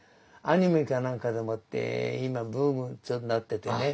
アニメかなんかでもって今ブームになっててね。